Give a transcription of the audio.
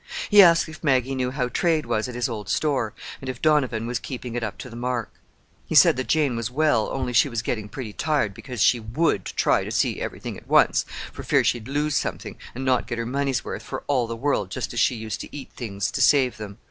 He asked if Maggie knew how trade was at his old store, and if Donovan was keeping it up to the mark. He said that Jane was well, only she was getting pretty tired because she would try to see everything at once, for fear she'd lose something, and not get her money's worth, for all the world just as she used to eat things to save them.